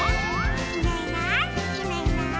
「いないいないいないいない」